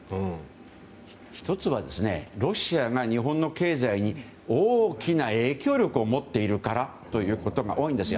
１つはロシアが日本の経済に大きな影響力を持っているからということが多いんです。